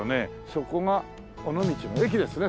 そこが尾道の駅ですね。